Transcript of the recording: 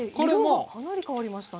色がかなり変わりましたね。